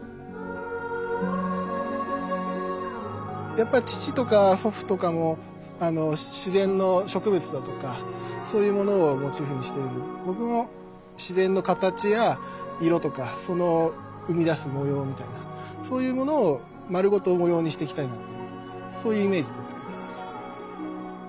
やっぱり父とか祖父とかも自然の植物だとかそういうものをモチーフにしているので僕も自然の形や色とかその生み出す模様みたいなそういうものを丸ごと模様にしていきたいなっていうそういうイメージで作ってます。